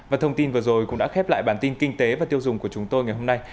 và thông tin vừa rồi cũng đã khép lại bản tin kinh tế và tiêu dùng của chúng tôi ngày hôm nay